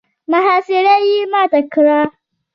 محاصره يې ماته کړه.